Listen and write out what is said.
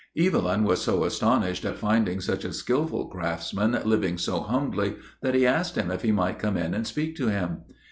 Evelyn was so astonished at finding such a skilful craftsman living so humbly that he asked him if he might come in and speak to him.